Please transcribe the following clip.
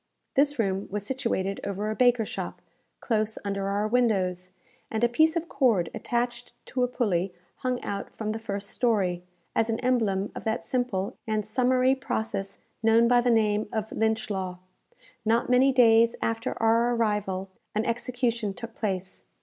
This room was situated over a baker's shop, close under our windows, and a piece of cord attached to a pulley hung out from the first story, as an emblem of that simple and summary process known by the name of Lynch law. Not many days after our arrival, an execution took place.